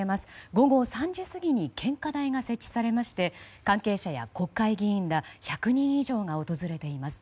午後３時過ぎに献花台が設置されまして関係者や国会議員ら１００人以上が訪れています。